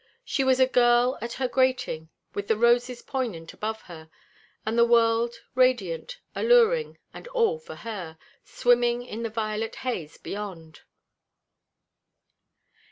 She was a girl at her grating with the roses poignant above her, and the world, radiant, alluring, and all for her, swimming in the violet haze beyond.